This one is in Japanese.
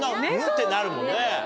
ってなるもんね。